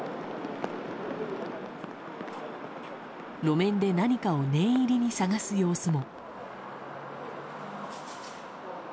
路面で何かを念入りに捜す様子も。